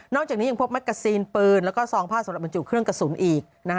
จากนี้ยังพบแกซีนปืนแล้วก็ซองผ้าสำหรับบรรจุเครื่องกระสุนอีก